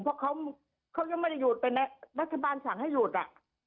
เพราะเขายังไม่ได้หยุดแต่รัฐบาลสั่งให้หยุดอ่ะ